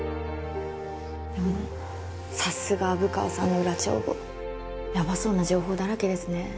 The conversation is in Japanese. でもさすが虻川さんの裏帳簿ヤバそうな情報だらけですね。